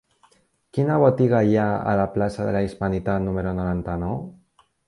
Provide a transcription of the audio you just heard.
Quina botiga hi ha a la plaça de la Hispanitat número noranta-nou?